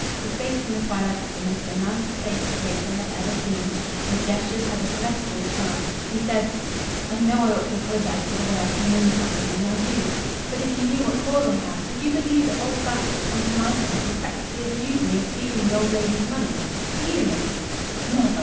His face in the twilight was the most romantic face that Rachel had ever seen. His gestures had a celestial charm. He said "I know I ought to apologize for the way I came in this afternoon. I do. But if you knew what cause I had ...! Would you believe that old Batch had come to my place, and practically accused me of stealing the old lady's money stealing it!" "Never!"